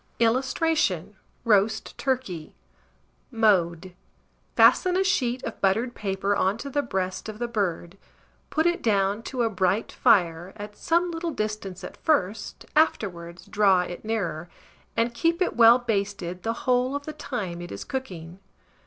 [Illustration: ROAST TURKEY.] Mode. Fasten a sheet of buttered paper on to the breast of the bird, put it down to a bright fire, at some little distance at first (afterwards draw it nearer), and keep it well basted the whole of the time it is cooking.